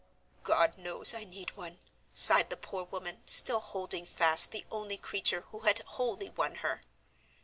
"God knows I need one!" sighed the poor woman, still holding fast the only creature who had wholly won her.